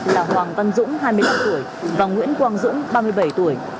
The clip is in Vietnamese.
là hoàng văn dũng hai mươi năm tuổi và nguyễn quang dũng ba mươi bảy tuổi